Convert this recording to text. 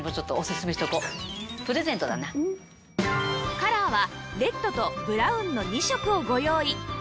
カラーはレッドとブラウンの２色をご用意